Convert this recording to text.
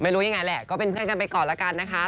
ไม่รู้ยังไงแหละก็เป็นเพื่อนกันไปก่อนละกันนะคะ